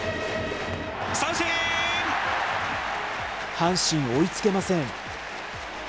阪神、追いつけません。